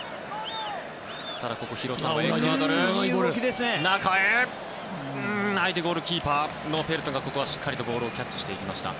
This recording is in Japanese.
クロスボールは相手ゴールキーパーのノペルトがここはしっかりとボールをキャッチしていきました。